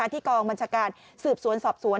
ที่กองบัญชาการสืบสวนสอบสวน